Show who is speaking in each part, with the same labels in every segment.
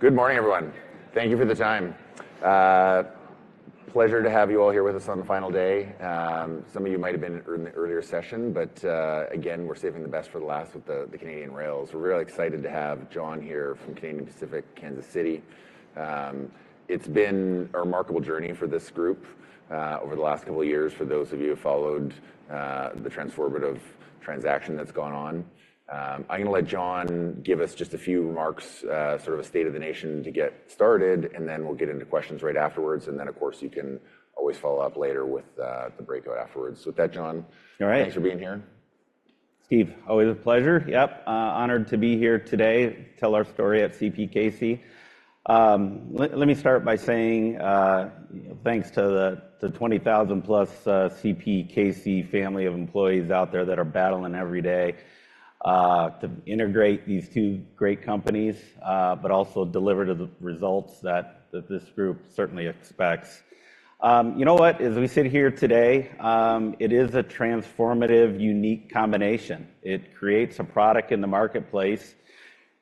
Speaker 1: Good morning, everyone. Thank you for the time. Pleasure to have you all here with us on the final day. Some of you might have been in the earlier session, but, again, we're saving the best for the last with the, the Canadian rails. We're really excited to have John here from Canadian Pacific Kansas City. It's been a remarkable journey for this group, over the last couple of years, for those of you who followed, the transformative transaction that's gone on. I'm going to let John give us just a few remarks, sort of a state of the nation to get started, and then we'll get into questions right afterwards. And then, of course, you can always follow up later with, the breakout afterwards. So with that, John-
Speaker 2: All right.
Speaker 1: Thanks for being here.
Speaker 2: Steve, always a pleasure. Yep, honored to be here today to tell our story at CPKC. Let me start by saying thanks to the 20,000-plus CPKC family of employees out there that are battling every day to integrate these two great companies but also deliver to the results that this group certainly expects. You know what? As we sit here today, it is a transformative, unique combination. It creates a product in the marketplace,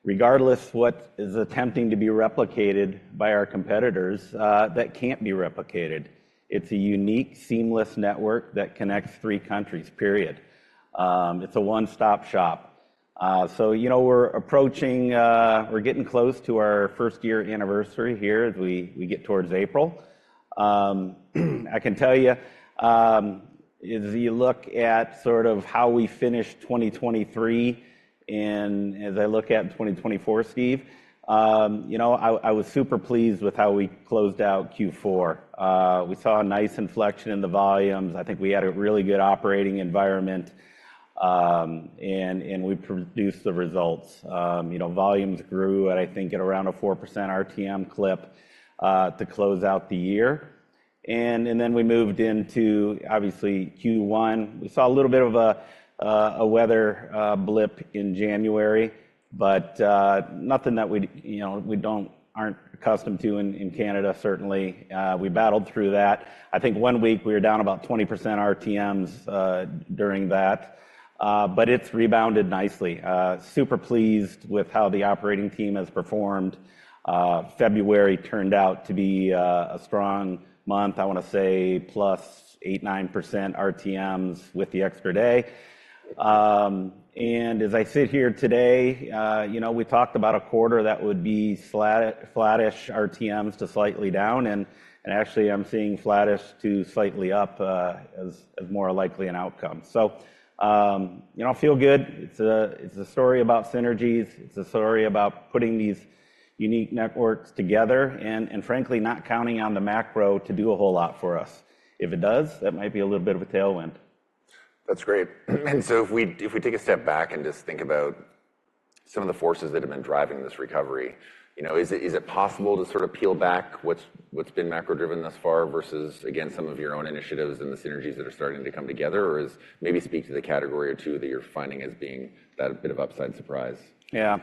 Speaker 2: regardless of what is attempting to be replicated by our competitors that can't be replicated. It's a unique, seamless network that connects three countries, period. It's a one-stop shop. So, you know, we're getting close to our first-year anniversary here as we get towards April. I can tell you, as you look at sort of how we finished 2023 and as I look at 2024, Steve, you know, I was super pleased with how we closed out Q4. We saw a nice inflection in the volumes. I think we had a really good operating environment, and we produced the results. You know, volumes grew at, I think, at around a 4% RTM clip, to close out the year. Then we moved into, obviously, Q1. We saw a little bit of a weather blip in January, but nothing that we, you know, aren't accustomed to in Canada, certainly. We battled through that. I think one week we were down about 20% RTMs during that, but it's rebounded nicely. Super pleased with how the operating team has performed. February turned out to be a strong month. I want to say +8-9% RTMs with the extra day. And as I sit here today, you know, we talked about a quarter that would be flat, flattish RTMs to slightly down, and actually I'm seeing flattish to slightly up as more likely an outcome. So, you know, I feel good. It's a story about synergies. It's a story about putting these unique networks together and frankly, not counting on the macro to do a whole lot for us. If it does, that might be a little bit of a tailwind.
Speaker 1: That's great. And so if we, if we take a step back and just think about some of the forces that have been driving this recovery, you know, is it, is it possible to sort of peel back what's, what's been macro-driven thus far versus, again, some of your own initiatives and the synergies that are starting to come together? Or is... Maybe speak to the category or two that you're finding as being that bit of upside surprise.
Speaker 2: Yeah.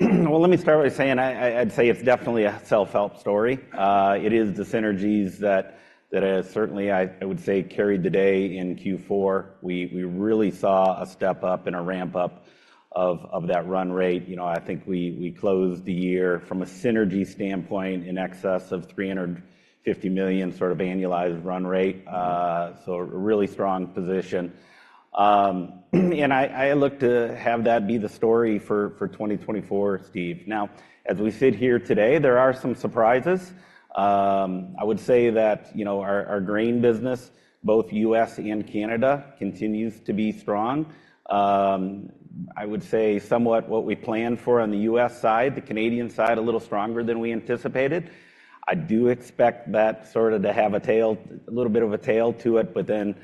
Speaker 2: Well, let me start by saying, I'd say it's definitely a self-help story. It is the synergies that has certainly, I would say, carried the day in Q4. We really saw a step up and a ramp-up of that run rate. You know, I think we closed the year from a synergy standpoint in excess of $350 million sort of annualized run rate. So a really strong position. And I look to have that be the story for 2024, Steve. Now, as we sit here today, there are some surprises. I would say that, you know, our grain business, both U.S. and Canada, continues to be strong. I would say somewhat what we planned for on the U.S. side, the Canadian side, a little stronger than we anticipated. I do expect that sort of to have a tail, a little bit of a tail to it, but then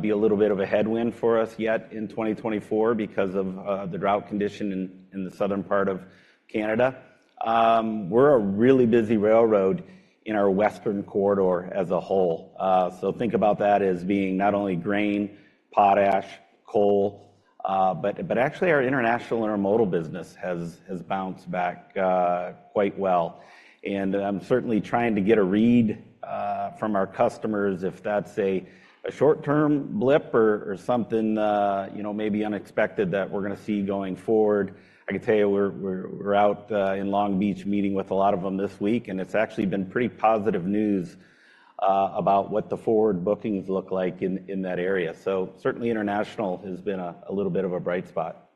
Speaker 2: be a little bit of a headwind for us yet in 2024 because of the drought condition in the southern part of Canada. We're a really busy railroad in our Western corridor as a whole. So think about that as being not only grain, potash, coal, but actually our international intermodal business has bounced back quite well. And I'm certainly trying to get a read from our customers if that's a short-term blip or something you know, maybe unexpected that we're gonna see going forward. I can tell you, we're out in Long Beach meeting with a lot of them this week, and it's actually been pretty positive news about what the forward bookings look like in that area. So certainly international has been a little bit of a bright spot.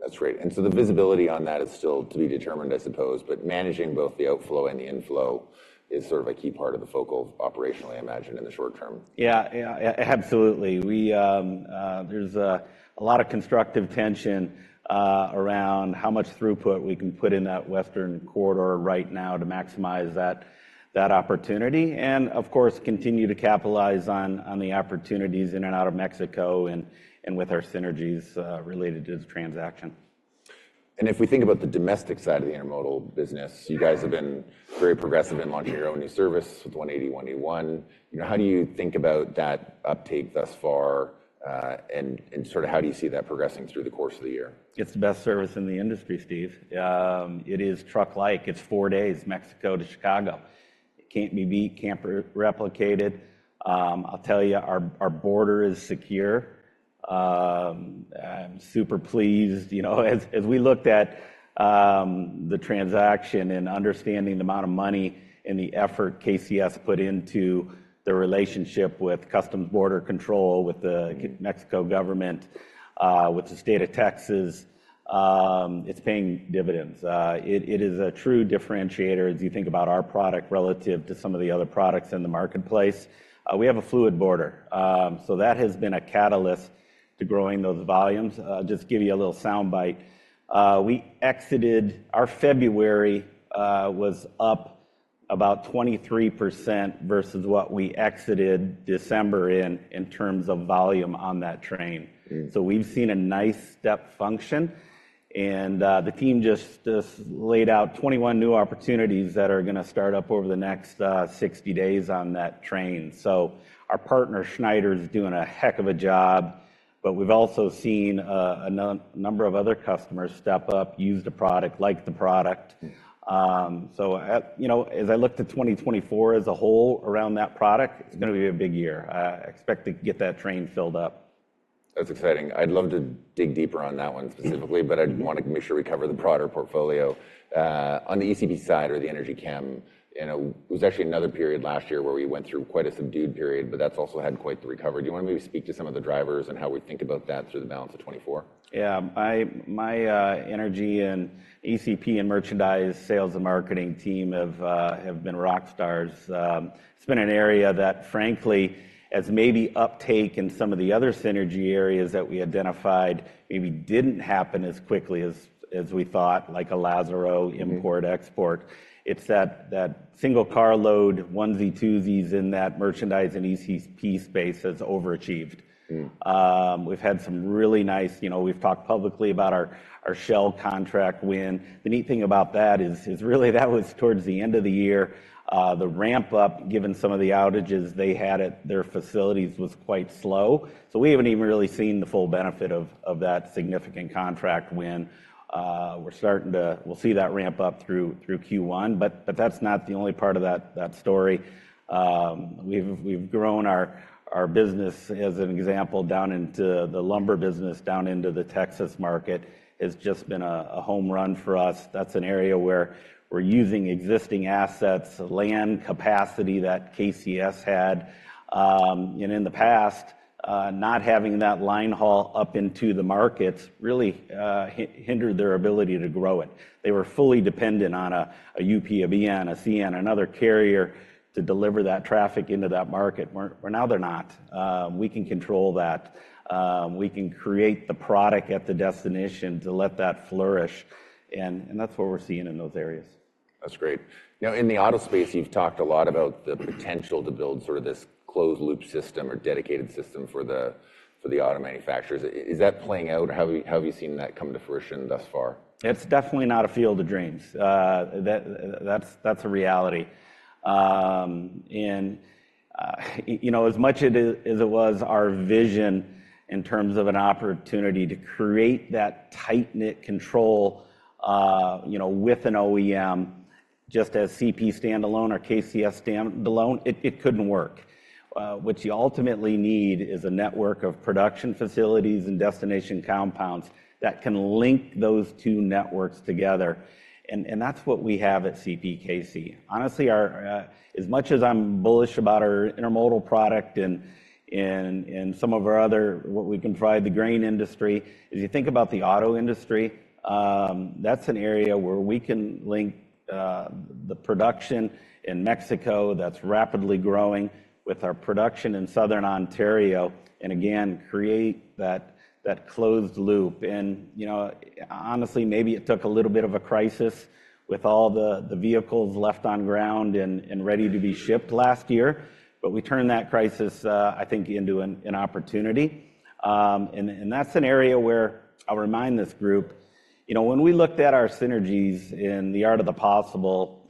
Speaker 1: That's great. And so the visibility on that is still to be determined, I suppose, but managing both the outflow and the inflow is sort of a key part of the focus operationally, I imagine, in the short term.
Speaker 2: Yeah. Yeah, absolutely. We... There's a lot of constructive tension around how much throughput we can put in that Western corridor right now to maximize that opportunity, and of course, continue to capitalize on the opportunities in and out of Mexico and with our synergies related to the transaction.
Speaker 1: And if we think about the domestic side of the intermodal business, you guys have been very progressive in launching your own new service with 180, 181. You know, how do you think about that uptake thus far? And sort of how do you see that progressing through the course of the year?
Speaker 2: It's the best service in the industry, Steve. It is truck-like. It's four days, Mexico to Chicago. It can't be beat, can't be replicated. I'll tell you, our border is secure. I'm super pleased, you know, as we looked at the transaction and understanding the amount of money and the effort KCS put into the relationship with Customs Border Control, with the Mexican government, with the State of Texas, it's paying dividends. It is a true differentiator as you think about our product relative to some of the other products in the marketplace. We have a fluid border. So that has been a catalyst to growing those volumes. Just give you a little soundbite. We exited. Our February was up about 23% versus what we exited December in terms of volume on that train.
Speaker 1: Mm.
Speaker 2: So we've seen a nice step function, and the team just laid out 21 new opportunities that are gonna start up over the next 60 days on that train. So our partner, Schneider, is doing a heck of a job, but we've also seen a number of other customers step up, use the product, like the product.
Speaker 1: Yeah.
Speaker 2: You know, as I looked at 2024 as a whole around that product, it's gonna be a big year. I expect to get that train filled up.
Speaker 1: That's exciting. I'd love to dig deeper on that one specifically.
Speaker 2: Mm-hmm.
Speaker 1: But I'd want to make sure we cover the broader portfolio. On the ECP side or the energy chem, you know, it was actually another period last year where we went through quite a subdued period, but that's also had quite the recovery. Do you wanna maybe speak to some of the drivers and how we think about that through the balance of 2024?
Speaker 2: Yeah. My energy and ECP and merchandise sales and marketing team have been rock stars. It's been an area that, frankly, maybe uptake in some of the other synergy areas that we identified, maybe didn't happen as quickly as we thought, like Lázaro-
Speaker 1: Mm-hmm.
Speaker 2: Import, export. It's that, that single carload, onesie, twosies in that merchandise and ECP space that's overachieved.
Speaker 1: Mm.
Speaker 2: We've had some really nice... You know, we've talked publicly about our, our Shell contract win. The neat thing about that is, is really, that was towards the end of the year. The ramp-up, given some of the outages they had at their facilities, was quite slow, so we haven't even really seen the full benefit of, of that significant contract win. We're starting to. We'll see that ramp up through, through Q1, but, but that's not the only part of that, that story. We've, we've grown our, our business, as an example, down into the lumber business, down into the Texas market. It's just been a, a home run for us. That's an area where we're using existing assets, the land capacity that KCS had. In the past, not having that line haul up into the markets really hindered their ability to grow it. They were fully dependent on a UP, a BN, a CN, another carrier to deliver that traffic into that market, where now they're not. We can control that. We can create the product at the destination to let that flourish, and that's what we're seeing in those areas.
Speaker 1: That's great. Now, in the auto space, you've talked a lot about the potential to build sort of this closed-loop system or dedicated system for the, for the auto manufacturers. Is, is that playing out? How have you, how have you seen that come to fruition thus far?
Speaker 2: It's definitely not a field of dreams. That, that's a reality. You know, as much as it was our vision in terms of an opportunity to create that tight-knit control, you know, with an OEM, just as CP standalone or KCS standalone, it couldn't work. What you ultimately need is a network of production facilities and destination compounds that can link those two networks together, and that's what we have at CPKC. Honestly, as much as I'm bullish about our intermodal product and some of our other, what we can drive the grain industry, if you think about the auto industry, that's an area where we can link the production in Mexico that's rapidly growing with our production in Southern Ontario, and again, create that closed loop. And, you know, honestly, maybe it took a little bit of a crisis with all the vehicles left on ground and ready to be shipped last year, but we turned that crisis, I think, into an opportunity. And that's an area where I'll remind this group, you know, when we looked at our synergies in the art of the possible,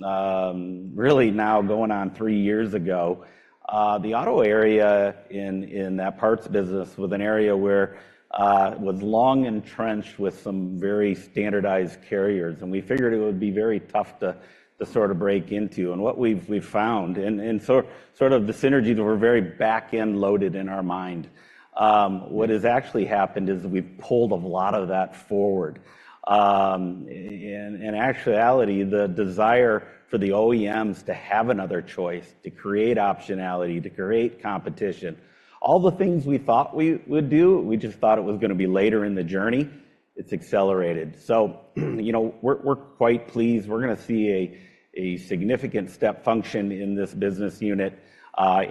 Speaker 2: really now going on three years ago, the auto area in that parts business was an area where it was long entrenched with some very standardized carriers, and we figured it would be very tough to sort of break into. And what we've found... And so sort of the synergies that were very back-end loaded in our mind, what has actually happened is we've pulled a lot of that forward. In actuality, the desire for the OEMs to have another choice, to create optionality, to create competition, all the things we thought we would do, we just thought it was gonna be later in the journey, it's accelerated. So, you know, we're quite pleased. We're gonna see a significant step function in this business unit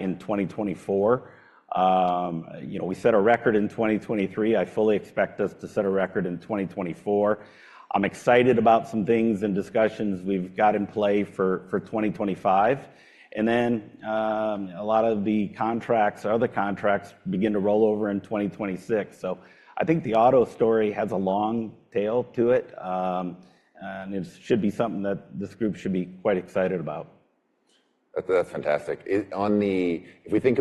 Speaker 2: in 2024. You know, we set a record in 2023. I fully expect us to set a record in 2024. I'm excited about some things and discussions we've got in play for 2025. And then, a lot of the contracts or other contracts begin to roll over in 2026. So I think the auto story has a long tail to it, and it should be something that this group should be quite excited about....
Speaker 1: That's, that's fantastic. If we think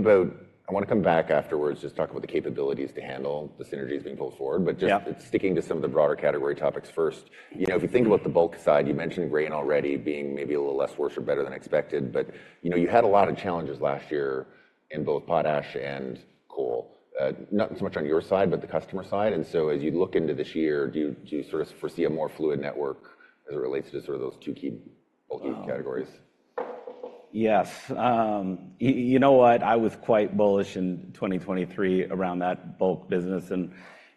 Speaker 1: about—I want to come back afterwards, just talk about the capabilities to handle the synergies being pulled forward.
Speaker 2: Yeah.
Speaker 1: Just sticking to some of the broader category topics first.
Speaker 2: Mm-hmm.
Speaker 1: You know, if you think about the bulk side, you mentioned grain already being maybe a little less worse or better than expected, but, you know, you had a lot of challenges last year in both potash and coal. Not so much on your side, but the customer side. And so, as you look into this year, do you, do you sort of foresee a more fluid network as it relates to sort of those two key bulk categories?
Speaker 2: Yes. You know what? I was quite bullish in 2023 around that bulk business and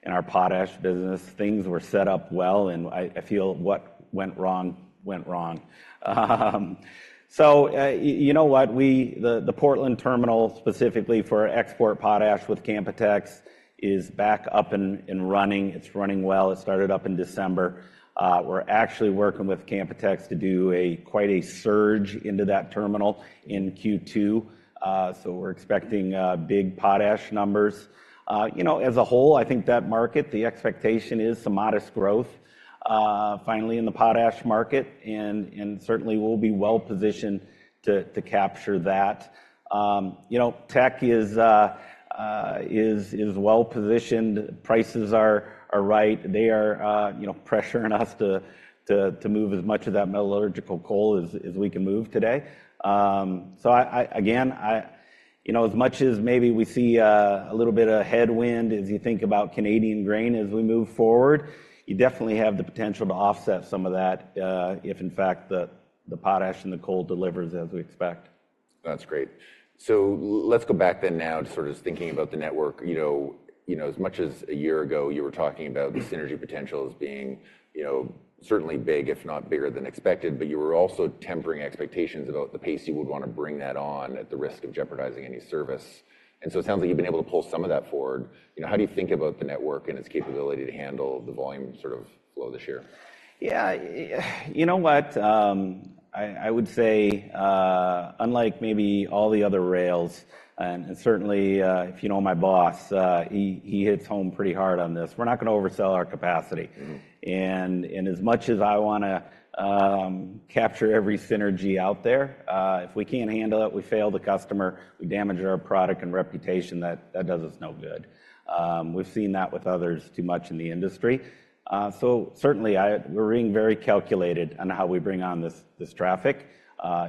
Speaker 2: our potash business. Things were set up well, and I feel what went wrong, went wrong. So, you know what? The Portland terminal, specifically for export potash with Canpotex, is back up and running. It's running well. It started up in December. We're actually working with Canpotex to do quite a surge into that terminal in Q2. So we're expecting big potash numbers. You know, as a whole, I think that market, the expectation is some modest growth finally in the potash market, and certainly we'll be well positioned to capture that. You know, Teck is well positioned. Prices are right. They are, you know, pressuring us to move as much of that metallurgical coal as we can move today. So, you know, as much as maybe we see a little bit of headwind as you think about Canadian grain as we move forward, you definitely have the potential to offset some of that, if in fact, the potash and the coal delivers as we expect.
Speaker 1: That's great. So let's go back then now to sort of thinking about the network. You know, you know, as much as a year ago, you were talking about-
Speaker 2: Mm
Speaker 1: The synergy potential as being, you know, certainly big, if not bigger than expected, but you were also tempering expectations about the pace you would want to bring that on at the risk of jeopardizing any service. So it sounds like you've been able to pull some of that forward. You know, how do you think about the network and its capability to handle the volume sort of flow this year?
Speaker 2: Yeah. You know what? I would say, unlike maybe all the other rails, and certainly, if you know my boss, he hits home pretty hard on this, we're not going to oversell our capacity.
Speaker 1: Mm-hmm.
Speaker 2: As much as I want to capture every synergy out there, if we can't handle it, we fail the customer, we damage our product and reputation, that does us no good. We've seen that with others too much in the industry. So certainly, we're being very calculated on how we bring on this traffic.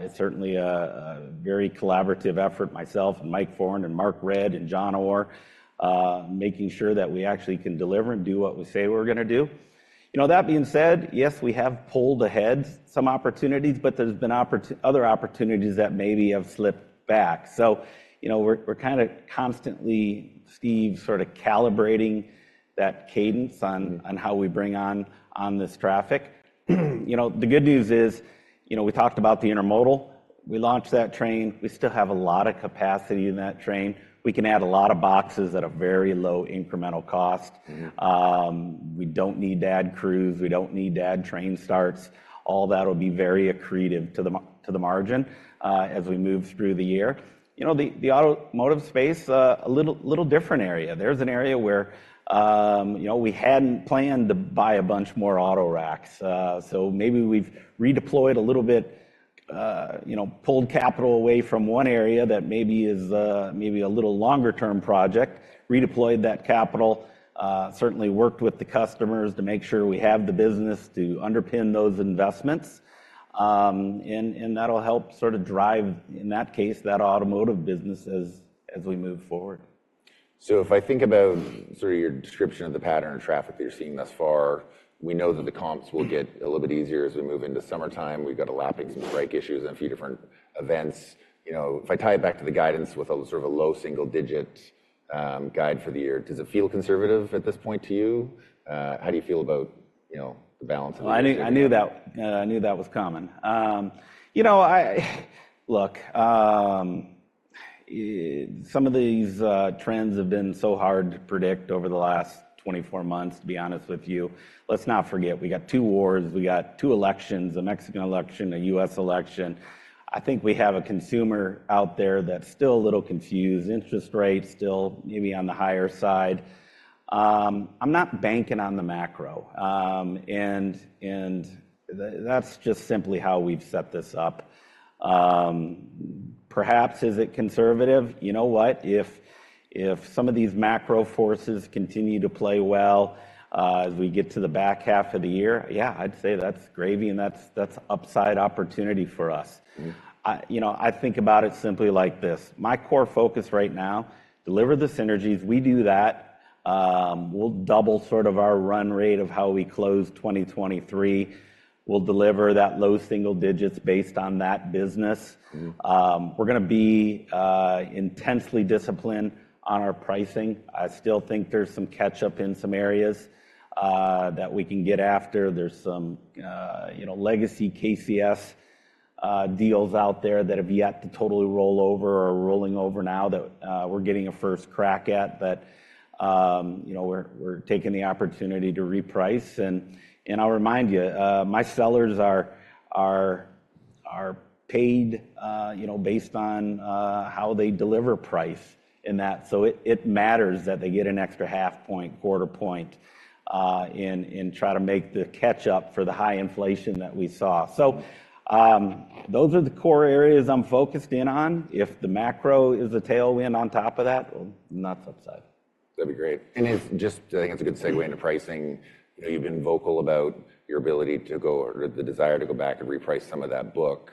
Speaker 2: It's certainly a very collaborative effort, myself and Mike Foran and Mark Redd and John Orr, making sure that we actually can deliver and do what we say we're going to do. You know, that being said, yes, we have pulled ahead some opportunities, but there's been other opportunities that maybe have slipped back. So, you know, we're kinda constantly, Steve, sort of calibrating that cadence on-
Speaker 1: Mm...
Speaker 2: on how we bring on this traffic. You know, the good news is, you know, we talked about the intermodal. We launched that train. We still have a lot of capacity in that train. We can add a lot of boxes at a very low incremental cost.
Speaker 1: Mm-hmm.
Speaker 2: We don't need to add crews, we don't need to add train starts. All that will be very accretive to the margin, as we move through the year. You know, the automotive space, a little different area. There's an area where, you know, we hadn't planned to buy a bunch more auto racks. So maybe we've redeployed a little bit, you know, pulled capital away from one area that maybe is, maybe a little longer-term project, redeployed that capital, certainly worked with the customers to make sure we have the business to underpin those investments. And that'll help sort of drive, in that case, that automotive business as we move forward.
Speaker 1: So if I think about sort of your description of the pattern of traffic that you're seeing thus far, we know that the comps will get a little bit easier as we move into summertime. We've got to lap some strike issues and a few different events. You know, if I tie it back to the guidance with a sort of a low single digit guide for the year, does it feel conservative at this point to you? How do you feel about, you know, the balance of the-
Speaker 2: Well, I knew, I knew that, I knew that was coming. You know, I— Look, some of these trends have been so hard to predict over the last 24 months, to be honest with you. Let's not forget, we got 2 wars, we got 2 elections, a Mexican election, a U.S. election. I think we have a consumer out there that's still a little confused. Interest rates still maybe on the higher side. I'm not banking on the macro. And that's just simply how we've set this up. Perhaps, is it conservative? You know what? If some of these macro forces continue to play well, as we get to the back half of the year, yeah, I'd say that's gravy, and that's upside opportunity for us.
Speaker 1: Mm-hmm.
Speaker 2: You know, I think about it simply like this: My core focus right now, deliver the synergies. We do that, we'll double sort of our run rate of how we closed 2023. We'll deliver that low single digits based on that business.
Speaker 1: Mm-hmm.
Speaker 2: We're going to be intensely disciplined on our pricing. I still think there's some catch-up in some areas that we can get after. There's some you know, legacy KCS deals out there that have yet to totally roll over or are rolling over now, that we're getting a first crack at. But you know, we're taking the opportunity to reprice. And I'll remind you, my sellers are paid you know, based on how they deliver price in that. So it matters that they get an extra half point, quarter point in try to make the catch-up for the high inflation that we saw. So those are the core areas I'm focused in on. If the macro is a tailwind on top of that, well, that's upside....
Speaker 1: That'd be great. And it's just, I think it's a good segue into pricing. You know, you've been vocal about your ability to go, or the desire to go back and reprice some of that book.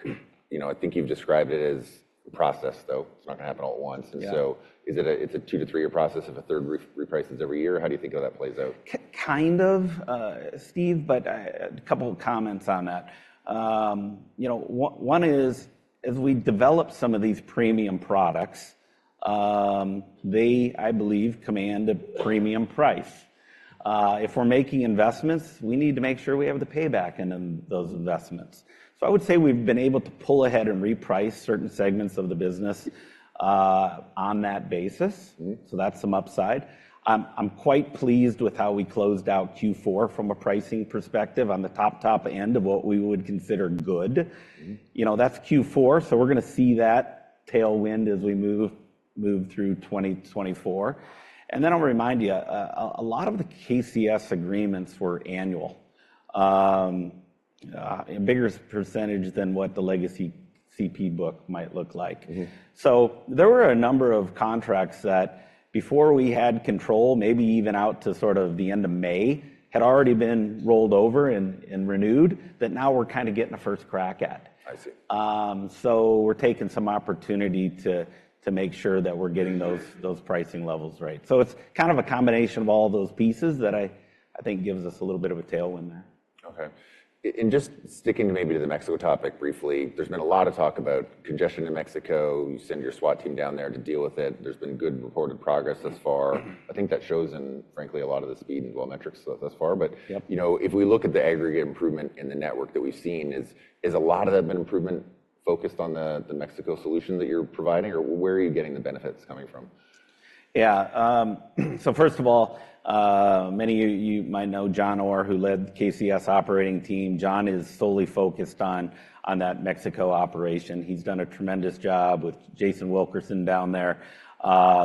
Speaker 1: You know, I think you've described it as a process, though. It's not gonna happen all at once.
Speaker 2: Yeah.
Speaker 1: So is it, it's a 2-3-year process if a third repriced every year? How do you think how that plays out?
Speaker 2: Kind of, Steve, but a couple of comments on that. You know, one is, as we develop some of these premium products, they, I believe, command a premium price. If we're making investments, we need to make sure we have the payback in those investments. So I would say we've been able to pull ahead and reprice certain segments of the business, on that basis.
Speaker 1: Mm.
Speaker 2: That's some upside. I'm quite pleased with how we closed out Q4 from a pricing perspective on the top end of what we would consider good.
Speaker 1: Mm-hmm.
Speaker 2: You know, that's Q4, so we're gonna see that tailwind as we move through 2024. And then I'll remind you, a lot of the KCS agreements were annual. A bigger percentage than what the legacy CP book might look like.
Speaker 1: Mm-hmm.
Speaker 2: There were a number of contracts that before we had control, maybe even out to sort of the end of May, had already been rolled over and, and renewed, that now we're kind of getting a first crack at.
Speaker 1: I see.
Speaker 2: So we're taking some opportunity to make sure that we're getting those pricing levels right. So it's kind of a combination of all those pieces that I think gives us a little bit of a tailwind there.
Speaker 1: Okay. And just sticking to maybe to the Mexico topic briefly, there's been a lot of talk about congestion in Mexico. You send your SWAT team down there to deal with it, and there's been good reported progress thus far.
Speaker 2: Mm.
Speaker 1: I think that shows in, frankly, a lot of the speed and dwell metrics thus far, but-
Speaker 2: Yep...
Speaker 1: you know, if we look at the aggregate improvement in the network that we've seen, has a lot of that been improvement focused on the Mexico solution that you're providing, or where are you getting the benefits coming from?
Speaker 2: Yeah. So first of all, many of you might know John Orr, who led the KCS operating team. John is solely focused on that Mexico operation. He's done a tremendous job with Jason Wilkerson down there,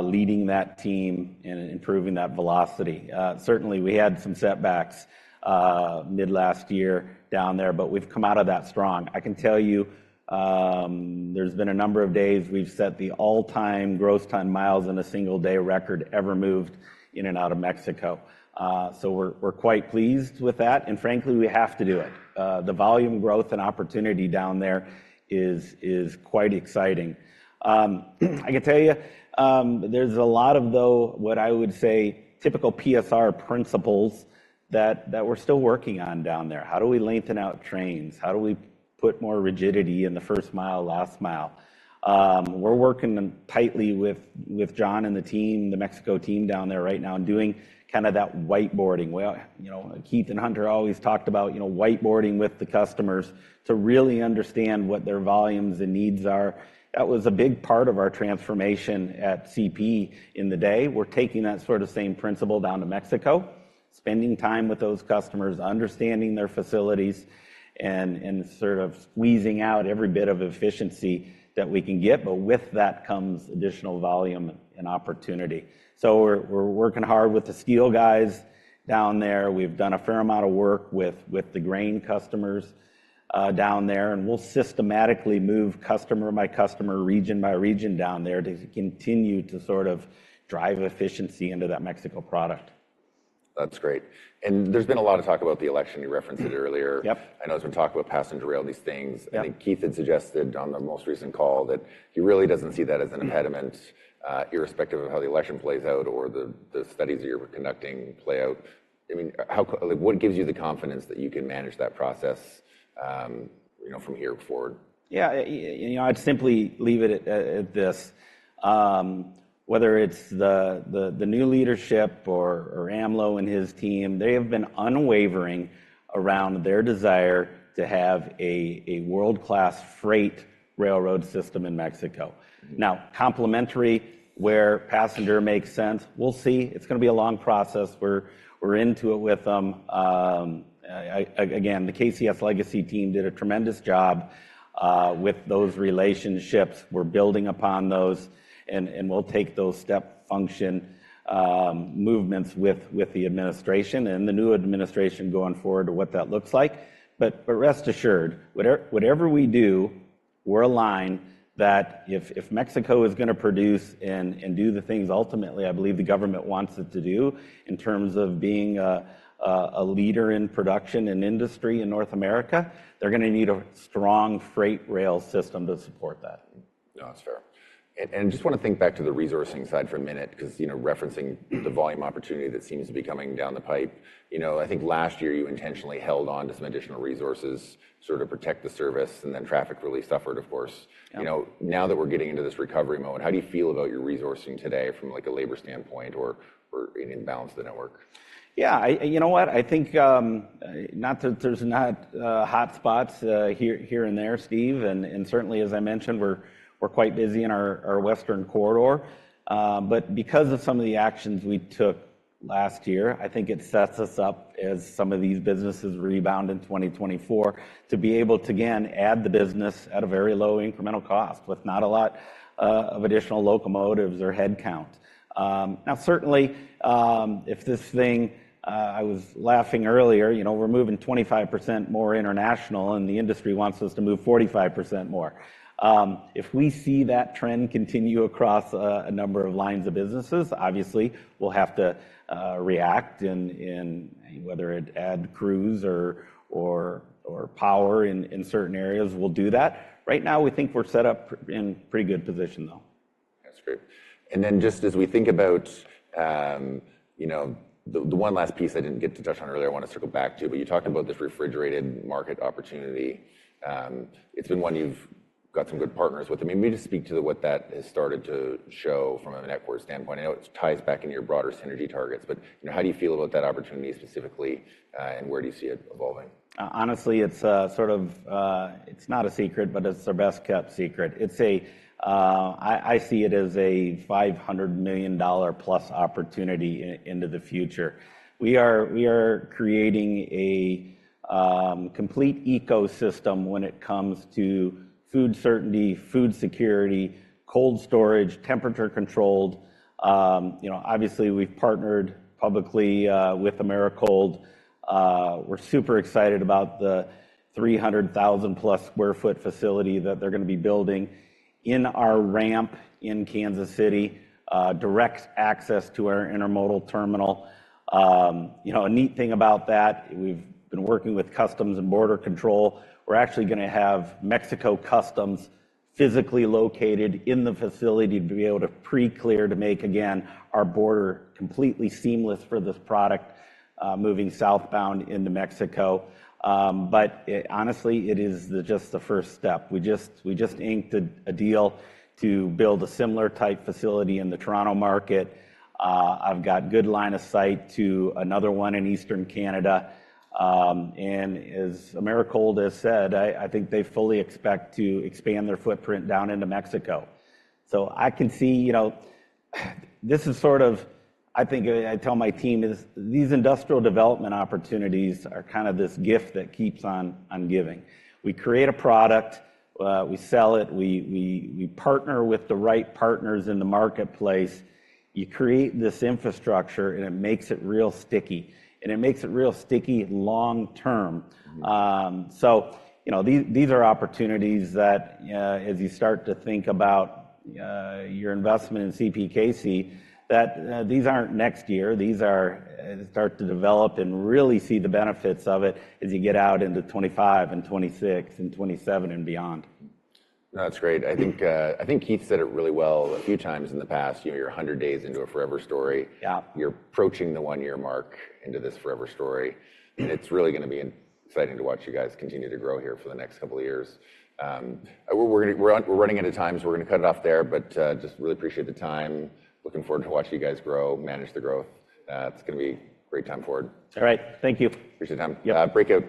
Speaker 2: leading that team and improving that velocity. Certainly, we had some setbacks mid-last year down there, but we've come out of that strong. I can tell you, there's been a number of days we've set the all-time gross ton miles in a single-day record ever moved in and out of Mexico. So we're quite pleased with that, and frankly, we have to do it. The volume growth and opportunity down there is quite exciting. I can tell you, there's a lot of, though, what I would say, typical PSR principles that we're still working on down there. How do we lengthen out trains? How do we put more rigidity in the first mile, last mile? We're working tightly with John and the team, the Mexico team down there right now, and doing kind of that whiteboarding. Well, you know, Keith and Hunter always talked about, you know, whiteboarding with the customers to really understand what their volumes and needs are. That was a big part of our transformation at CP in the day. We're taking that sort of same principle down to Mexico, spending time with those customers, understanding their facilities, and sort of squeezing out every bit of efficiency that we can get, but with that comes additional volume and opportunity. So we're working hard with the steel guys down there. We've done a fair amount of work with the grain customers down there, and we'll systematically move customer by customer, region by region down there to continue to sort of drive efficiency into that Mexico product.
Speaker 1: That's great. There's been a lot of talk about the election you referenced earlier.
Speaker 2: Yep.
Speaker 1: I know there's been talk about passenger rail, these things.
Speaker 2: Yep.
Speaker 1: I think Keith had suggested on the most recent call that he really doesn't see that as an impediment, irrespective of how the election plays out or the studies that you're conducting play out. I mean, how... Like, what gives you the confidence that you can manage that process, you know, from here forward?
Speaker 2: Yeah, you know, I'd simply leave it at this: Whether it's the new leadership or AMLO and his team, they have been unwavering around their desire to have a world-class freight railroad system in Mexico. Now, complementary, where passenger makes sense, we'll see. It's gonna be a long process. We're into it with them. Again, the KCS legacy team did a tremendous job with those relationships. We're building upon those, and we'll take those step function movements with the administration and the new administration going forward to what that looks like. But rest assured, whatever we do, we're aligned that if Mexico is gonna produce and do the things ultimately I believe the government wants it to do in terms of being a leader in production and industry in North America, they're gonna need a strong freight rail system to support that.
Speaker 1: No, that's fair. And just want to think back to the resourcing side for a minute because, you know, referencing the volume opportunity that seems to be coming down the pipe. You know, I think last year you intentionally held on to some additional resources, sort of protect the service, and then traffic really suffered, of course.
Speaker 2: Yep.
Speaker 1: You know, now that we're getting into this recovery mode, how do you feel about your resourcing today from, like, a labor standpoint or in balance the network?
Speaker 2: Yeah, You know what? I think, not that there's not, hot spots, here and there, Steve, and certainly, as I mentioned, we're quite busy in our Western corridor. But because of some of the actions we took last year, I think it sets us up as some of these businesses rebound in 2024, to be able to, again, add the business at a very low incremental cost with not a lot of additional locomotives or head count. Now, certainly, if this thing, I was laughing earlier, you know, we're moving 25% more international, and the industry wants us to move 45% more. If we see that trend continue across a number of lines of businesses, obviously, we'll have to react in whether it add crews or power in certain areas, we'll do that. Right now, we think we're set up in pretty good position, though....
Speaker 1: That's great. And then just as we think about, you know, the one last piece I didn't get to touch on earlier, I want to circle back to, but you talked about this refrigerated market opportunity. It's been one you've got some good partners with. I mean, maybe just speak to what that has started to show from a network standpoint. I know it ties back into your broader synergy targets, but, you know, how do you feel about that opportunity specifically, and where do you see it evolving?
Speaker 2: Honestly, it's sort of, it's not a secret, but it's our best-kept secret. It's a... I see it as a $500 million plus opportunity into the future. We are creating a complete ecosystem when it comes to food certainty, food security, cold storage, temperature controlled. You know, obviously, we've partnered publicly with Americold. We're super excited about the 300,000+ sq ft facility that they're going to be building in our ramp in Kansas City, direct access to our intermodal terminal. You know, a neat thing about that, we've been working with Customs and Border Control. We're actually going to have Mexico Customs physically located in the facility to be able to pre-clear, to make, again, our border completely seamless for this product, moving southbound into Mexico. But it honestly, it is just the first step. We just inked a deal to build a similar type facility in the Toronto market. I've got good line of sight to another one in Eastern Canada. And as Americold has said, I think they fully expect to expand their footprint down into Mexico. So I can see, you know, this is sort of... I think, I tell my team, these industrial development opportunities are kind of this gift that keeps on giving. We create a product, we sell it, we partner with the right partners in the marketplace. You create this infrastructure, and it makes it real sticky, and it makes it real sticky long term.
Speaker 1: Mm-hmm.
Speaker 2: So, you know, these are opportunities that, as you start to think about your investment in CPKC, that these aren't next year, these are start to develop and really see the benefits of it as you get out into 2025 and 2026 and 2027 and beyond.
Speaker 1: No, that's great. I think, I think Keith said it really well a few times in the past, you know, you're 100 days into a forever story.
Speaker 2: Yeah.
Speaker 1: You're approaching the 1-year mark into this forever story.
Speaker 2: Mm.
Speaker 1: It's really going to be exciting to watch you guys continue to grow here for the next couple of years. We're running out of time, so we're going to cut it off there. But just really appreciate the time. Looking forward to watching you guys grow, manage the growth. It's going to be a great time forward.
Speaker 2: All right. Thank you.
Speaker 1: Appreciate the time.
Speaker 2: Yep.
Speaker 1: Break out-